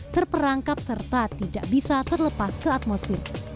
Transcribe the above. terperangkap serta tidak bisa terlepas ke atmosfer